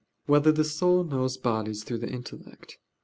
1] Whether the Soul Knows Bodies Through the Intellect?